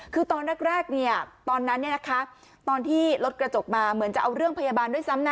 คือตอนแรกตอนนั้นตอนที่รถกระจกมาเหมือนจะเอาเรื่องพยาบาลด้วยซ้ำนะ